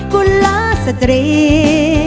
กุลลาสเตรียม